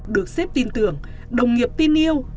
được xếp tin tưởng đồng nghiệp tin yêu